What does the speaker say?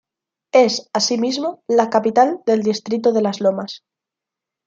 Es asimismo capital del distrito de Las Lomas.